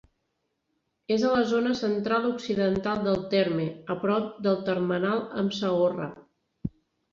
És a la zona central-occidental del terme, a prop del termenal amb Saorra.